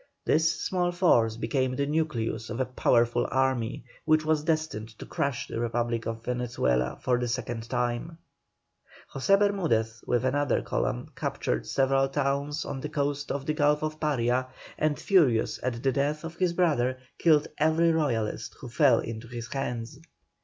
This small force became the nucleus of a powerful army, which was destined to crush the Republic of Venezuela for the second time. José Bermudez, with another column, captured several towns on the coast of the Gulf of Paria, and furious at the death of his brother, killed every Royalist who fell into his hands.